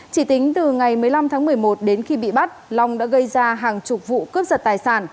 chỉ tính từ ngày một mươi năm tháng một mươi một đến khi bị bắt long đã gây ra hàng chục vụ cướp giật tài sản